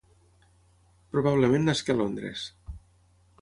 Probablement nasqué a Londres.